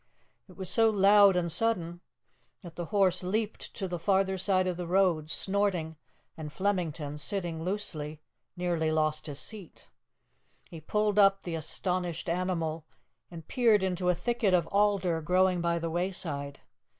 It was so loud and sudden that the horse leaped to the farther side of the road, snorting, and Flemington, sitting loosely, nearly lost his seat. He pulled up the astonished animal, and peered into a thicket of alder growing by the wayside.